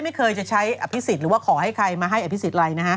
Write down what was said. ไม่เคยจะใช้อภิษฎหรือว่าขอให้ใครมาให้อภิษฎอะไรนะฮะ